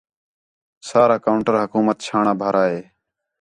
سارا کاؤنٹر حکومت چھاݨاں بھارا ہے